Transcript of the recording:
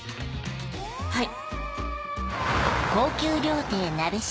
はい！